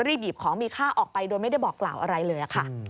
หยิบของมีค่าออกไปโดยไม่ได้บอกกล่าวอะไรเลยค่ะ